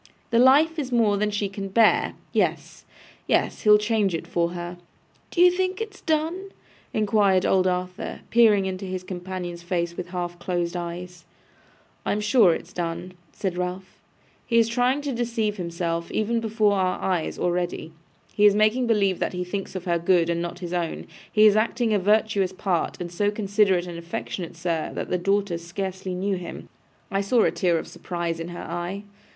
The life is more than she can bear. Yes, yes. He'll change it for her.' 'D'ye think it's done?' inquired old Arthur, peering into his companion's face with half closed eyes. 'I am sure it's done,' said Ralph. 'He is trying to deceive himself, even before our eyes, already. He is making believe that he thinks of her good and not his own. He is acting a virtuous part, and so considerate and affectionate, sir, that the daughter scarcely knew him. I saw a tear of surprise in her eye.